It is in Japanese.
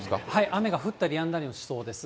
雨が降ったりやんだりしそうです。